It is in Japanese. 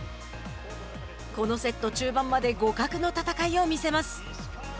このセット中盤まで互角の戦いを見せます。